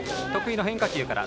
得意の変化球から。